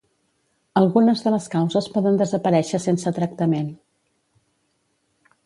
Algunes de les causes poden desaparéixer sense tractament.